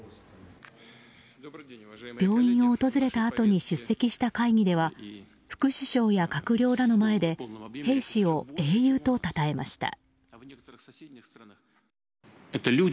病院を訪れたあとに出席した会議では副首相や閣僚らの前で、兵士を英雄とたたえました。